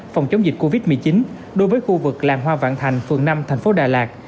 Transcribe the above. phòng chống dịch covid một mươi chín đối với khu vực làng hoa vạn thành phường năm thành phố đà lạt